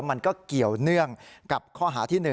มันก็เกี่ยวเนื่องกับข้อหาที่๑